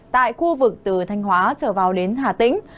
tại khu vực từ thanh hóa trở vào đến hà tĩnh